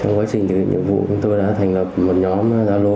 trong quá trình thực hiện nhiệm vụ chúng tôi đã thành lập một nhóm gia lô